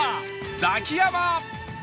ザキヤマ